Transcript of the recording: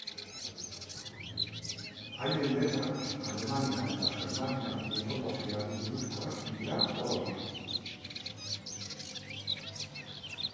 Haien letrak Alemania eta germaniar mitologiari buruzkoak dira oro har.